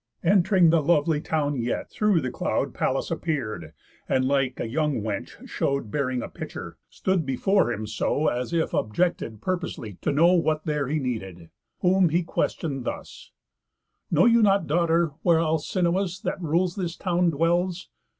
Ent'ring the lovely town yet, through the cloud Pallas appear'd, and like a young wench show'd Bearing a pitcher, stood before him so As if objected purposely to know What there he needed; whom he question'd thus: "Know you not, daughter, where Alcinous, That rules this town, dwells?